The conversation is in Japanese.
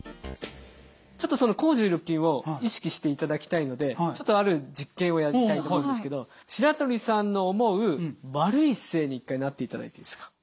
ちょっとその抗重力筋を意識していただきたいのでちょっとある実験をやりたいと思うんですけど白鳥さんの思う悪い姿勢に１回なっていただいていいですか？